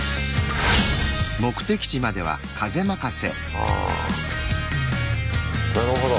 ああなるほど。